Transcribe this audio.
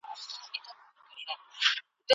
یوه نه زر خاطرې